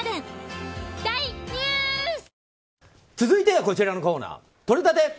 続いては、こちらのコーナーとれたて！